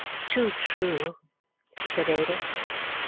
"Too true," said Ada.